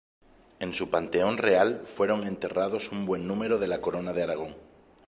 En su Panteón Real fueron enterrados un buen número de la corona de Aragón.